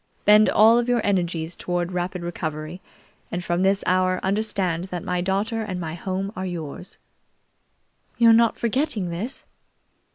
Bend all of your energies toward rapid recovery, and from this hour understand that my daughter and my home are yours." "You're not forgetting this?"